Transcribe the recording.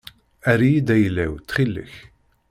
Err-iyi-d ayla-w ttxil-k.